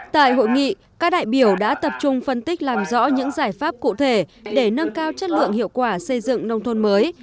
tại hội nghị các đại biểu đã tập trung phân tích làm rõ những giải pháp cụ thể để nâng cao chất lượng hiệu quả xây dựng nông thôn mới